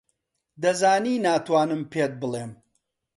دەزانی ناتوانم پێت بڵێم.